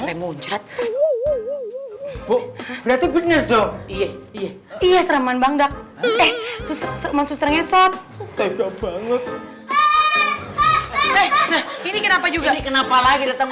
iya iya seram man bangda eh susah susahnya sob banget ini kenapa juga kenapa lagi datang